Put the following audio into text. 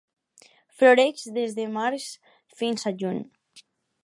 Floreix des de març fins a juny.